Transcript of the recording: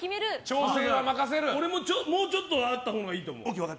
俺ももうちょっとあったほうがいいと思う。